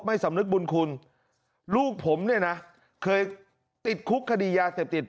สำนึกบุญคุณลูกผมเนี่ยนะเคยติดคุกคดียาเสพติด